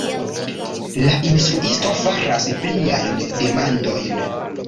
La instruisto faras pliajn demandojn: